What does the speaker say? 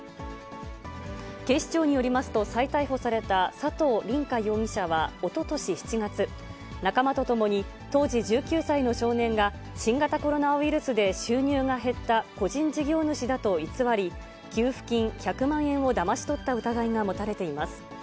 警視庁によりますと、再逮捕された佐藤凜果容疑者は、おととし７月、仲間とともに、当時１９歳の少年が、新型コロナウイルスで収入が減った個人事業主だと偽り、給付金１００万円をだまし取った疑いが持たれています。